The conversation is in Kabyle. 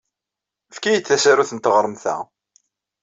Efk-iyi-d tasarut n teɣremt-a!